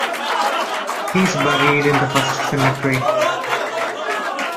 He is buried in the First Cemetery.